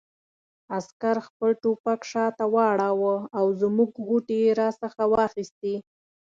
عسکر خپل ټوپک شاته واړاوه او زموږ غوټې یې را څخه واخیستې.